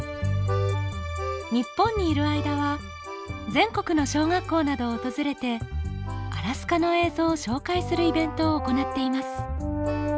日本にいる間は全国の小学校などを訪れてアラスカの映像を紹介するイベントを行っています